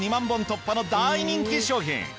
本突破の大人気商品。